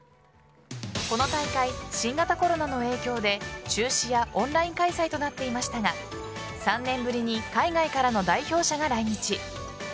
この大会、新型コロナの影響で中止やオンライン開催となっていましたが３年ぶりに海外からの代表者が来日。